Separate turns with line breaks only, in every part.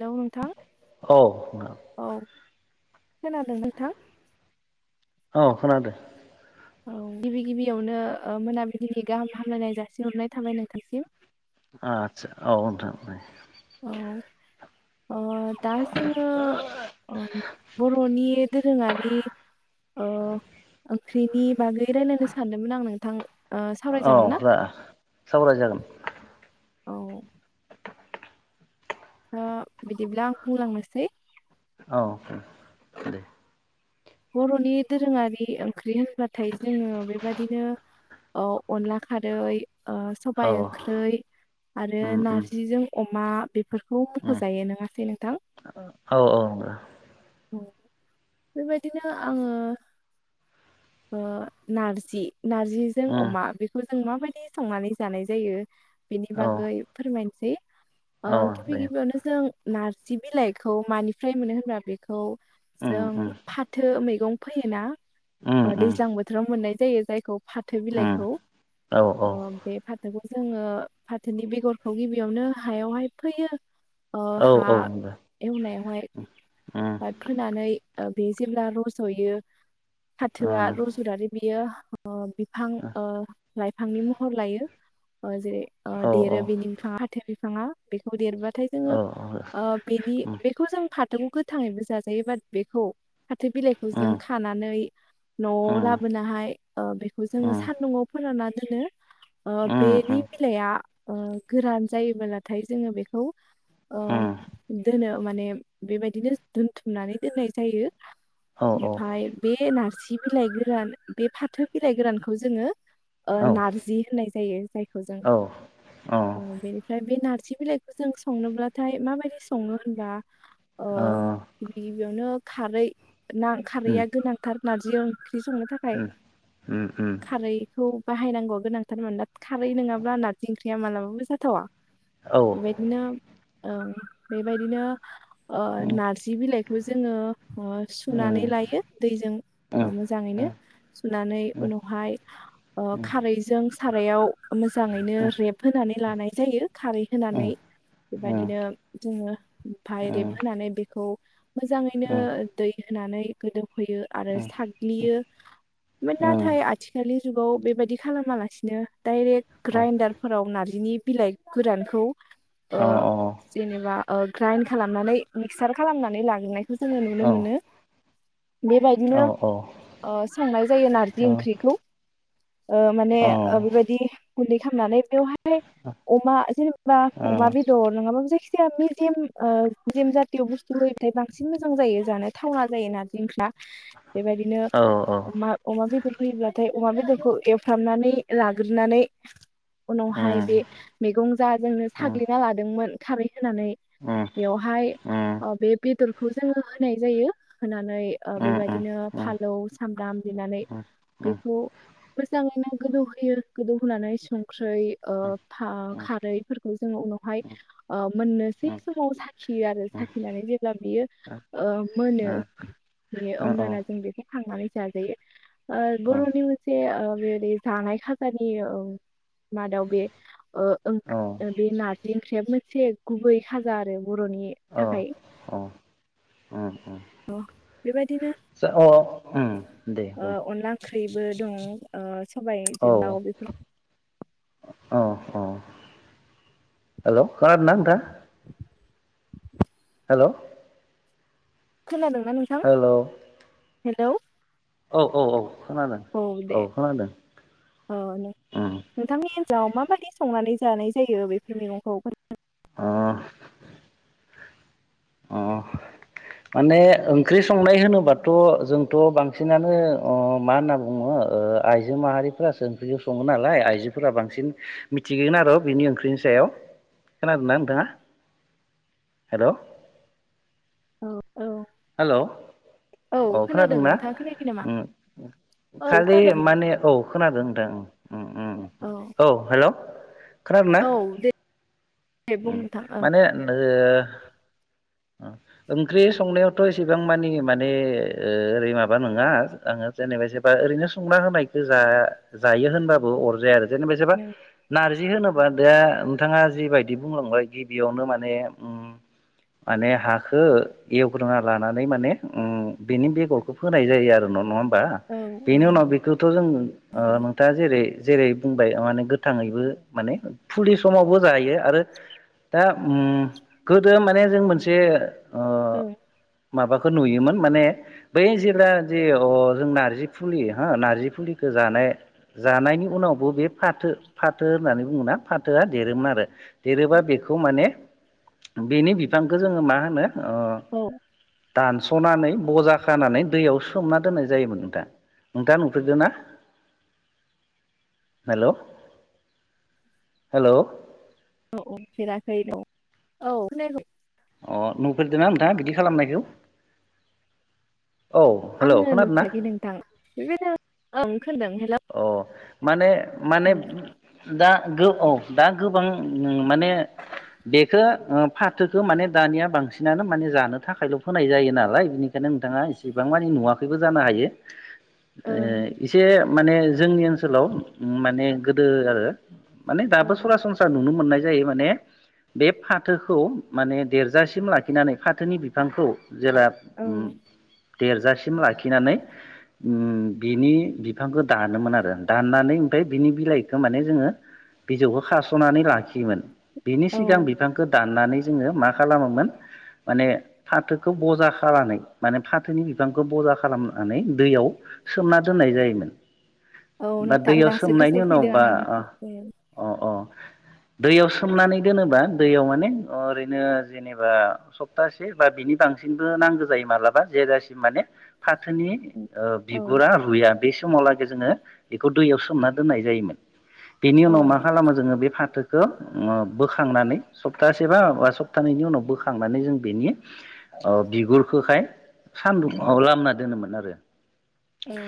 हेल' नोंथां
औ नोंथां
औ। खोनादों नोंथां।
औ खोनादों।
औ गिबि गिबियावनो मोनाबिलिनि गाहाम हामलायनाय जासिहरनाय थाबाय नोंथांसिम
आतसा औै।
औ। ओ दा जोङो ओ बर'नि दोरोङारि ओ ओंख्रिनि मागै रायलायनो सानदोंमोन आंनो थां।
औ रा सावराय जागोन।
औ। दा बिदिब्ला आं बुंलांनोसै।
औ दे।
बर'नि दोरोङारि ओंख्रि होनबाथाय जोङो बेबादिनो अनला खारै
औ
सबाइ ओंख्रै आरो
उम उम
नारजिजों मा बेफोर खौ
उम
मख'जायो नङासै नोंथां
औ नंगौ
बेबाय बिदिनो आङो ओ नारजि नारजिजों
उम
अमा बेखौ जों माबायदि संनानै जानाय जायो! बेनि
औ
बागै फोरमायनो सै।
औ
अ गिबि
दे
गिबियावनो जों। नारजि बिलाइखौ मानिफ्राय मोनो होनबा बेखौ।
उम
जों।
उम
फाथो मैगं फैयोना।
उम
अ
उम
दैज्लां बोथोराव मोननाय। जायो जायखौ फाथो
उम
बिलाइखौ
औ
ओ
औ
बे फाथोखौ जोङो फाथोनि बेगरखौ गिबियावनो हायावहाय फैयो अ हा
औ नंगौ उम औ उम उम
एवनायाव हाय फोनानै ओ बे जेब्ला रजयो फाथोआ रजनानै बियो अ बि हां ओ लाइफांनि महर लायो अ जेरै अ
औ औ
देरो बिनि बिफांआ [unintelligible] फांङा बेखौ देरबा थाय
औ
जोंङो
औ उम
ओ बेनि बेखौ जोंङो फाथ थोखौ गोथाङैबो जाजायो बाट बेखौ फाथो बिलाइखौ जों
उम
खानानै नआव लाबोनो हाय ओ बेखौ जोङो सान्दुंआव फोराननानै नैनो अ बेनि बिलाइया ओ गोरान जायोबोलाथाय जोङो बेखौ अ दोनो माने बेबायदिनो दोनथुमनानै दोननाय जायो
उम
ओमफाय बे नारसि नि बिलाइ गोरान बे फाथो बिलाइ गोरानखौ जोङो ओ नारजि होननाय जायो जायखौ जों ओ
उम
बेनिफ्राय बे नारजि जि बिलाइखौ जों संनोब्लाथाय माबायदि सङो होनब्ला अ गिबि गिबियावनो खारै। ना खारैया गोनांथार। नार्जि ओं ख्रि संनो थाखाय खारैखौ। बाहायनांगौआ गोनांथारमोन ना खारै नङाब्ला ना ओंख्रिया मालाबाबो जाथावा।
औ
बेबायदिनो। औ बेबायदिनो। ओ
उम
नार्जि बिलाइ। खौ जोङो। ओ सुनानै
उम
लायो दैजों
अ
मोजाङैनो सुनानै उनावहाय ओ खारैजों। सारायाव मोजाङैनो रेब होनोनानै लानाय जायो खारै होनानै। बेबायदिनो जोङो ओमफाय रेबहोनानै बेखौ मोजाङैनो दै होनानै गोदौ होयो आरो साग्लियो। नाथाय आथिखालनि जुगाव बेबायदि खालामालासिनो डाइरेक्ट ग्राइडारफोराव नार्जिनि बिलाइ गोरानखौ ओ जेनेबा ओ ग्राइन्ड खालामनानै मिक्सार खालामनानै लाग्रोनायखौ जों नुनो मोनो। बेबायदिनो ओ संनाय जायो नार्जि ओंख्रिखौ। ओ माने ओ बेबायदि गुन्दै खालामनानै बेवहाय [unintelligible] अमा जेनेबा अमा बेदर नङाबाबो जायखि जाया मिजेम ओ जाथिय' बुस्थु होयो [unintelligible] थाय बांसिन मोजां जायो। जानो थावना जायो नार्जि ओंख्रिया। बेबायदिनो अमा अमा बे लर होयोब्लाथाय अमा बेदरखौ एवफ्रामनानै लाग्रोनानै उनावहाय बे मैगं जा जोंनो साग्लिना लादोंमोन खारै होनानै बेवहाय ओ बे बेदर खौ जोङो होनाय जायो। होनानै ओ बेबायदिनो फालौ सामब्राम देनानै बेखौ मोजाङै नां गोदौ होयो गोदौ होनानै सं ख्रै ओ खारैफोरखौ जोङो उनावहाय ओ मोननोसै समाव साखियो आरो साखिनानै जेब्ला बियो ओ मोनो बेयो अब्लाना जों बेखौ खांनानै जाजायो। ओ बर'नि मोनसे ओ बे ओरै जानाय खाजानि औ मादाव बे ओ ओंख बे नार्जि ओंख्रियाबो मोनसे गुबै खाजा आरो बर'नि थाखाय
ओम
अह बेबायदिनो
उम दे बुं
ख्रिबो दं सबायजों दाउ जोंबो दं
अ अ हेलौ खोनादों ना नोंथां हेलौ
खोनादोंना नोंथां। हेलौ
औ औ औ खोनादों औ खोनादों।
जाव माबायदि संनानै जानाय जायो बेफोर मैगंखौ
ओ अ माने ओंख्रि संनाय होनोबाथ' जोंथ' बांसिनानो ओ मा होनना बुङो ओ आइजो माहारिफोरासो ओंख्रिखौ सङो नालाय आइजोफोरा बांसिन मिथिगोन आरो बिनि ओंख्रिनि सायाव खोनादोंना नोंथाङा हेलौ
औ
हेलौ औ
खोनादों
खोनादोंना
नोंथाङा खोनायाखै नामा
ओ
औ
खालि
खोनादों
माने औ खोनादों नोंथां औ हेलौ खोनादों ना
औ दे दे बुं
उम
नोंथां ओं
माने ओम ओ ओंख्रि संनायाव थ' इसेबां मानि माने ओ ओरै माबा नङा आङो जेनेबा जेबा ओरैनो संना होनायखौ जा-जायो होनबाबो अरजाया आरो जेनेबाजिबा
नों-
नारजि होनो बा दा नोंथाङा जिबायदि बुंलांबाय गिबियावनो माने माने हाखौ एव फुदुंना लानानै माने ओम बेनि बेगरखौ फोनाय जायो आरो न' नङा होम बा
औ औ
बेनि उनाव बेखौथ' जों ओ
नंगौ
नोंथाङा जेरै जेरै बुंबाय माने गोथाङैबो माने फुलि समावबो जायो आरो दा उम गोदो माने जों मोनसे ओ
औ
माबाखौ नुयोमोन माने बै जेब्ला जे अह जों नारजि फुलि हो नार्जि फुलिखौ जानाय जानायनि उनावबो बे फाथो फाथो होननानै बुङोना फाथोआ देरोमोन आरो देरोबा बेखौ माने बेनि बिफांखौ जोंङो मा होनो अह
औ
दानसनानै बजा खानानै दैयाव सोमना दोननाय जायोमोन नोंथां नोंथाङा नुफेरदोंना हेलौ हेलौ
औ औ फेराखै न औ खोनायाखै
अह नुफेरदोंना नोंथां बिदि खालामनायखौ औ हेलौ
आंङो
खोनादों ना
नुफेराखै नोंथां बेबायदि ओ
अह माने माने
ओं
दा गो औ दा गोबां माने बेखो फाथोखो माने दानिया बांसिनानो माने जानो थाखायल फोनाय जायो नालाय बिनिखायनो नोंथाङा इसिबां मानि नुवाखैबो जानो हायो ओ
ओं
इसे माने जोंनि ओनसोलाव माने गोदो आरो माने
औ
दाबो सरासनस्रा नुनो मोननाय जायो माने बे फाथोखौ माने देरजासिम लाखिनानै फाथोनि बिफांखौ जेब्ला
औ
उम देरजासिम लाखिनानै बिनि बिफांखौ दानोमोन आरो दाननानै ओमफ्राय बिनि बिलाइखौ माने जोंङो बिजौखौ खासनानै लाखियोमोन बिनि
औ
सिगां बिफांखौ दाननानै जोंङो मा खालामोमोन माने फाथोखौ बजा खालामनानै माने फाथोनि बिफांखौ बजा खालामनानै दैयाव सोमना दोननाय जायोमोन
औ
बा
नोंथां
दैयाव
दासो
सोमनायनि
गोसोआव
उनाव
फैदों
बा
आङो
अ अ दैयाव सोमनानै दोनोबा दैयाव माने ओरैनो जेनेबा सप्तासे बा बिनि बांसिनबो नांगौ जायो मालाबा जेजासिम माने फाथोनि
औ
बिगुरा रुया बे समावलागै जोंङो बेखौ दैयाव सोमना दोननाय जायोमोन बेनि
औ
उनाव मा खालामो जोंङो बे फाथोखौ बोखांनानै सप्तासे बा बा सप्तानैनि उनाव बोखांनानै जों बेनि ओ बिगुरखौखाय सानदुं लामना दोनोमोन आरो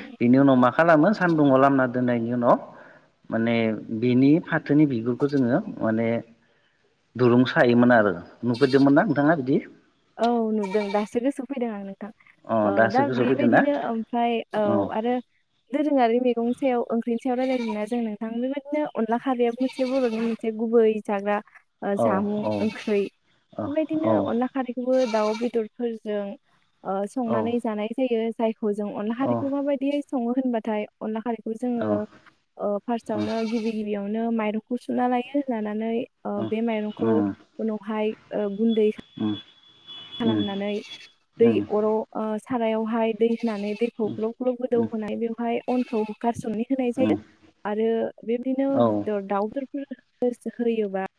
औ
बिनि उनाव मा मा खालामो सानदुङाव लामना दोननायनि उनाव माने बिनि फाथोनि बिगुरखौ जोंङो माने दुरुं सायोमोन आरो नुफेरदोंमोन ना नोंथाङा बिदि
औ नुदों दासो गोसो फैदों आं नोंथां
अ
ओ
दासो
दा
गोसोआव फैदों ना
बेबायदिनो ओमफ्राय
अ
औ आरो दोरोङारि मैगंनि सायाव ओंख्रिनि सायाव रायलायदोंना जों नोंथां बेबायदिनो अनला खारैआबो मोनसे बरनि मोनसे गुबै जाग्रा
औ
जामुं
औ
ओंख्रि
औ
बेबायदिनो अनला खारै दाउ बेदरफोरजों ओ
औ
संनानै जानाय जायो जायखौ जों अनला
औ
हारिखौ माबायदि संङो होनबाथाय अनला खारै
औ
जोंङो ओ फासआवनो गिबि गिबियाव नो माइरंखौ सुना लायो लानानै ओ
औ
बे माइरंखौ उनावहाय औ। गुन्दै
उम उम
खालामनानै दै अराव ओ थानायावहाय दै फिनानै दैखौ
उम उम
ग्लब ग्लब गोदौ होनाय बेवहाय अनखौ‌ गारसोमना [unintelligible] होनाय जायो
उम
आरो बेबायदिनो
औ
दाउ [unintelligible] ओ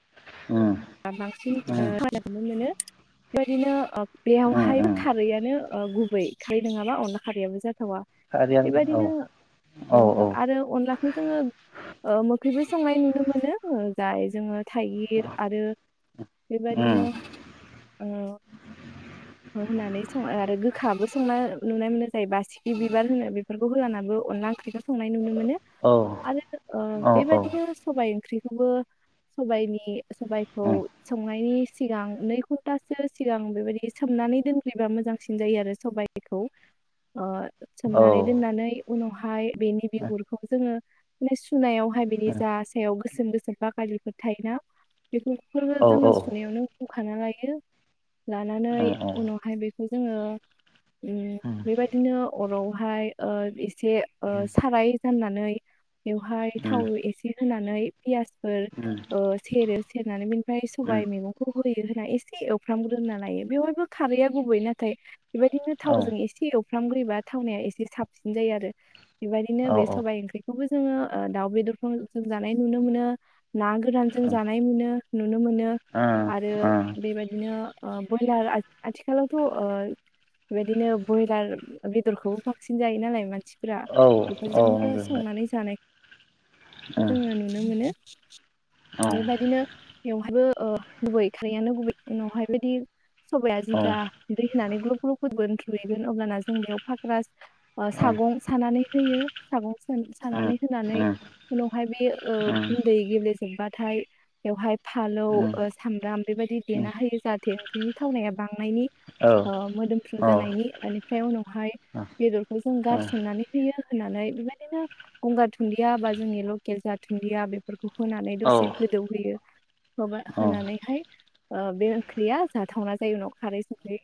उम
बांसिन ओ
उम
[unintelligible] मोनो। बेबादिनो ओ बेयावहाय
उम
खारैआानो ओ गुबुन खारै नङाबा अनला खारैआबो जाथ थावा
सारियानो
बेबायदिनो ओ
औ औ
आरो अनलाखौ जोङो ओ बेबो‌ संनाय नुनो मोनो जायदा जोङो थाइगिर आरो
उम
बेबायदिनो बो होनानै संङो आरो गोखाबो संना नुनाय मोनो। बासिखि बिबार होनो बेफोरखौ होलाना बो अनला ओंख्रिख्रौ संनाय नुनो मोनो
औ
आरो ओ
औ औ
बेबायदिनो सबाय ओंख्रि बो [unintelligible] सबायनि सबायखौ
उम
संनायनि सिगां नै ख सप्तासो सिगां बेबायदि सोमनानै दोनग्रोयोबा मोजांसिन जायो आरो सबायखौ ओ
औ उम औ उम
सोमनानै दोननानै उनाव हाय बेनि
उम
बिगुरखौ जोङो नि [unintelligible] सुनायावहाय बिनि
उम
जा सायाव गोसोम गोसोम बागालिफोर थायोना। बेखौफोरबो
औ
जोङो सुनायावनो खाना लायो। लानानै उनावहाय बे बे जोङो घम बेबायदिनो अराव हाय ओ एसे ए ओ साराय फाननानै बेवहाय थाव एसे होनांग नै पियास ओ अ सेर सेरनानै ओमफ्राय सबाय मैगंखौ दै होना एसे एव फ्रामग्रोना लायो बेवहायबो खारैआ गुबै नाथाय बेबायदिनो थावजों एसे एवो। एवफ्रामग्रोयोबा थावनाया एसे साबसिन जायो आरो। बेबायदिनो
औ
बे सबाइ ओंख्रिखौबो जोङो ओ दाउ बेदरखौ जों जानाय नुनो मोनो। ना गोरानजों जानाय मोनो। नुनो मोनो आरो
ओ ओ
बेबादिनो ओ ओ बयलार आथिं आथिखालावथ' बेदिनो बयलार बेदरखौबो बांसिन जायो नालाय मानसि फोरा
औ
बेफोरजोंनो
नंगौ
संनानै जानाय
नोंथां
जोङो नुनो मोनो। [inaudible] बेबायदिनो बेवहायबो अ गुबै खारियानो गुबै उनावहायबायदि सबाया
औ
जिता दै होनानै ग्लब फख्रुफोरबोन थुहैगोन अब्लान जों बेयाव फाग्रा
औ
सागं सानानै होयो सागं
औ
सानानै
उम
होनानै उनावहाय बे ओ
उम
गुन्दै गेब्लेेजोबबा नाथाय बेवहाय फालौ
उम
ओ सामब्राम बेबायदि
उम
देना होयो जाहाथे ओंख्रिनि थावनाया बांनायनि
औ
ओ मोदोमफ्रु
औ
जानायनि इनिफ्राय उनावहाय बेदरखौ जों गारसननानै होयो। होनानै बेबायदिनो गंगार दुनदिया बा जोंनि लकेल जा दुनदिया बेफोर होनानै
औ
दसे गोदौहोयो माबा होनानैहाय ओ बे ओंख्रिया जाथावना जायो उनाव खारै रै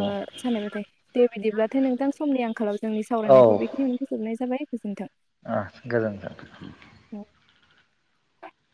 ओ सालायबाय दे। दे बिदिब्लाथाय नोंथां समनि आंखालाव जोंनि सावरायनायखौ बेखिनियावनो फोजोबनाय जाबाय। गोजोन्थों।
ओ गोजोनथों।